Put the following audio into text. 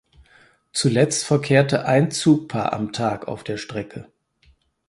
Zuletzt verkehrte ein Zugpaar am Tag auf der Strecke.